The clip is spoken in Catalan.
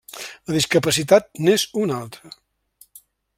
La discapacitat n'és un altre.